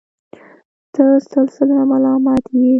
ته سل سلنه ملامت یې.